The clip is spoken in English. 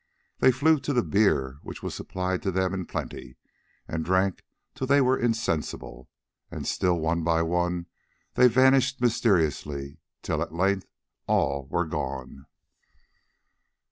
They flew to the beer which was supplied to them in plenty, and drank till they were insensible. And still one by one they vanished mysteriously, till at length all were gone.